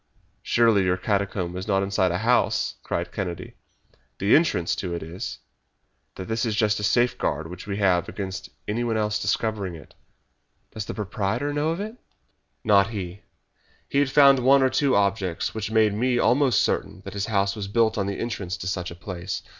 "Surely your catacomb is not inside a house!" cried Kennedy. "The entrance to it is. That is just the safeguard which we have against anyone else discovering it." "Does the proprietor know of it?" "Not he. He had found one or two objects which made me almost certain that his house was built on the entrance to such a place.